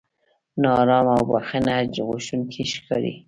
نا ارامه او بښنه غوښتونکي ښکاري.